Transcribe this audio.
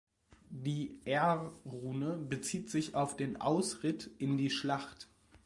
Die "r-Rune" bezieht sich auf den „Ausritt in die Schlacht“.